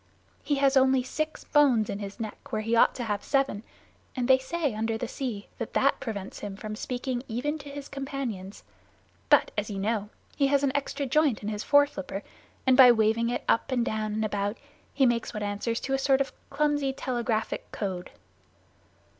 He has only six bones in his neck where he ought to have seven, and they say under the sea that that prevents him from speaking even to his companions. But, as you know, he has an extra joint in his foreflipper, and by waving it up and down and about he makes what answers to a sort of clumsy telegraphic code.